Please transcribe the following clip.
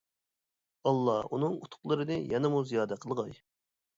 ئاللا ئۇنىڭ ئۇتۇقلىرىنى يەنىمۇ زىيادە قىلغاي!